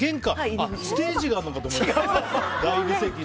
ステージがあるのかと思いました、大理石で。